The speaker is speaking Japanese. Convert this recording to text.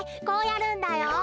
こうやるんだよ。